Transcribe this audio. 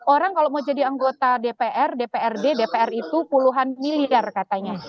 orang kalau mau jadi anggota dpr dprd dpr itu puluhan miliar katanya